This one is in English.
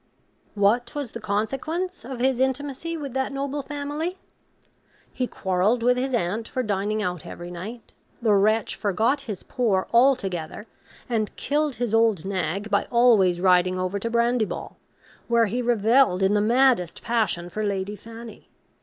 What was the consequence of his intimacy with that noble family? He quarrelled with his aunt for dining out every night. The wretch forgot his poor altogether, and killed his old nag by always riding over to Brandyball; where he revelled in the maddest passion for Lady Fanny.